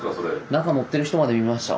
中乗っている人まで見ました。